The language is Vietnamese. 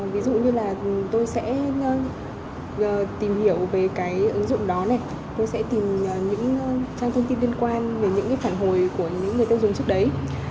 ví dụ như là tôi sẽ tìm hiểu về cái ứng dụng đó này tôi sẽ tìm những trang thông tin liên quan về những cái phản hồi của những người tiêu dùng trước đấy